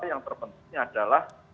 yang terpentingnya adalah